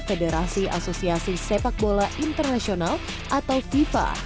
federasi asosiasi sepak bola internasional atau fifa